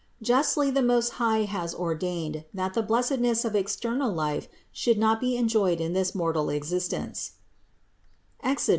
176. Justly the Most High has ordained, that the 2 11 142 CITY OF GOD blessedness of eternal life should not be enjoyed in this mortal existence (Exod.